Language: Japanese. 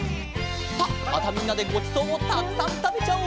さあまたみんなでごちそうをたくさんたべちゃおう！